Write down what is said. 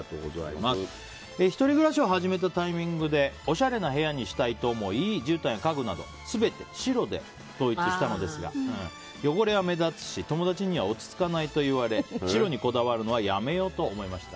１人暮らしを始めたタイミングでおしゃれな部屋にしたいと思いじゅうたんや家具など全て白で統一したのですが汚れは目立つし友達には落ち着かないといわれ白にこだわるのはやめようと思いました。